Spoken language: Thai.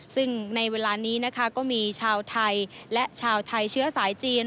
ซึ่งในเวลานี้นะคะก็มีชาวไทยและชาวไทยเชื้อสายจีน